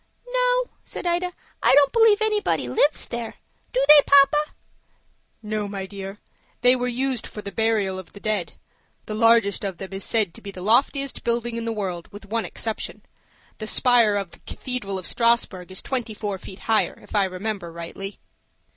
"No," said Ida, "I don't believe anybody lives there. Do they, papa?" "No, my dear. They were used for the burial of the dead. The largest of them is said to be the loftiest building in the world with one exception. The spire of the Cathedral of Strasburg is twenty four feet higher, if I remember rightly."